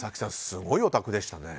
すごいお宅でしたね。